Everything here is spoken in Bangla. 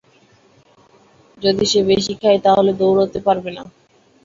যদি সে বেশি খায় তাহলে দৌড়াতে পারবে না।